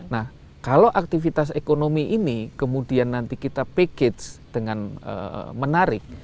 nah kalau aktivitas ekonomi ini kemudian nanti kita package dengan menarik